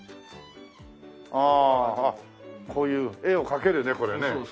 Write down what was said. ああこういう絵を描けるねこれね。